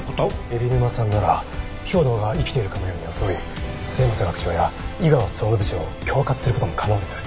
海老沼さんなら兵働が生きているかのように装い末政学長や猪川総務部長を恐喝する事も可能です。